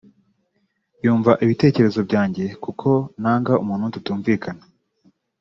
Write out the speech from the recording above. yumva ibitekerezo byanjye kuko nanga umuntu tutumvikana